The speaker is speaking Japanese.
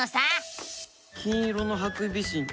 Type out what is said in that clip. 金色のハクビシン